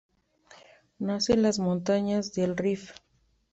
Nace en las montañas del Rif.